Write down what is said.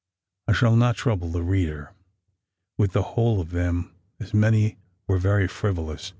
I shall not trouble the reader with the whole of them, as many were very frivolous.